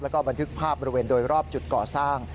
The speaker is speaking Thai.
แล้วก็บันทึกภาพบริเวณโดยรอบจุดก่อสร้าง